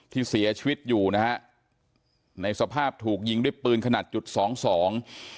ที่เสียชีวิตอยู่นะฮะในสภาพถูกยิงด้วยปืนขนาดจุดสองสอง